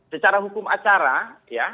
secara hukum acara ya